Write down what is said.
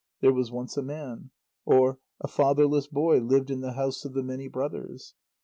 "There was once a man ..." or "A fatherless boy lived in the house of the many brothers."